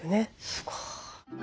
すごい。